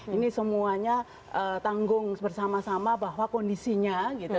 ini semuanya tanggung bersama sama bahwa kondisinya gitu